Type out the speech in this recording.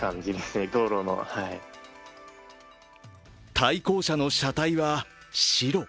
対向車の車体は白。